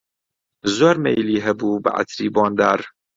زۆر مەیلی هەبوو بە عەتری بۆندار